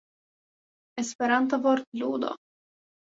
Esperanta vortludo.